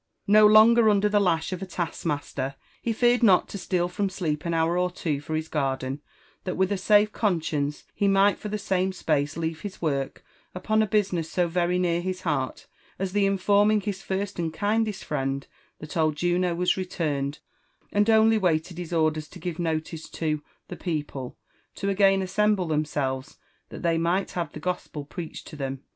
No longer und^r the lash of a task master, he feared not to steal from sleep an hour or two for his garden, that with a safe conscience he might for the same space leave his work upon a business so very near his heart as the informing his first and kindest friend, that old Juno was returned, and only waited his orders to give notice to*' the people" to again assemble themselves that they might have the Gospel preached to them